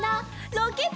ロケット！